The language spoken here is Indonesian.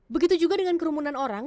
begitu juga dengan kerumunan orang